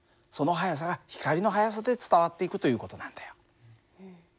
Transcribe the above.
その速さが光の速さで伝わっていくという事なんだよ。